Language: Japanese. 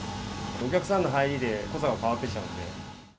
お客さんの入りで濃さが変わってきちゃうので。